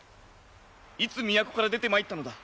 いつ都から出てまいったのだ？